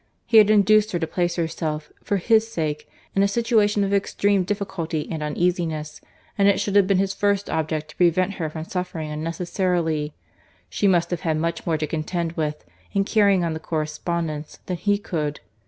—He had induced her to place herself, for his sake, in a situation of extreme difficulty and uneasiness, and it should have been his first object to prevent her from suffering unnecessarily.—She must have had much more to contend with, in carrying on the correspondence, than he could.